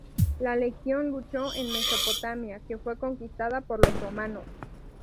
La legión luchó en Mesopotamia, que fue conquistada por los romanos.